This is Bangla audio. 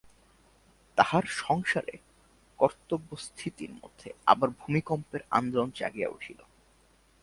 তাহার সংসারের কর্তব্যস্থিতির মধ্যে আবার ভূমিকম্পের আন্দোলন জাগিয়া উঠিল।